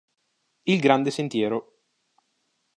Il grande sentiero